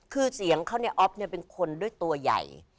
คือเสียงเขาเนี่ยอ๊อฟเนี่ยเป็นคนด้วยตัวใหญ่